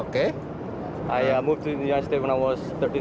saya berubah ke negara indonesia ketika saya tiga belas tahun